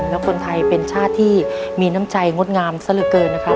แล้วคนไทยเป็นชาติที่มีน้ำใจงดงามซะเหลือเกินนะครับ